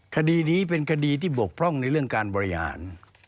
คดีนี้เป็นคดีที่บกพร่องในเรื่องการบริหาร